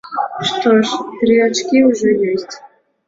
Што ж, тры ачкі ўжо ёсць.